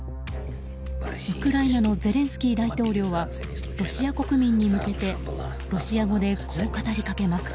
ウクライナのゼレンスキー大統領はロシア国民に向けてロシア語でこう語りかけます。